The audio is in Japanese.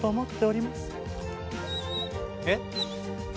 えっ？